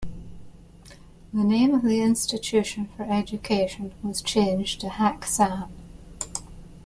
The name of the insititution for Education was changed to Hak-San.